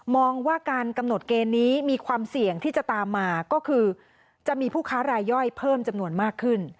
ว่าการกำหนดเกณฑ์นี้มีความเสี่ยงที่จะตามมาก็คือจะมีผู้ค้ารายย่อยเพิ่มจำนวนมากขึ้น